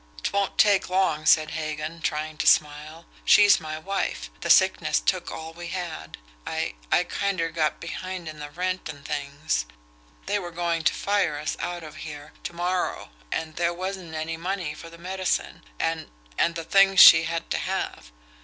"Twon't take long," said Hagan, trying to smile. "She's my wife. The sickness took all we had. I I kinder got behind in the rent and things. They were going to fire us out of here to morrow. And there wasn't any money for the medicine, and and the things she had to have.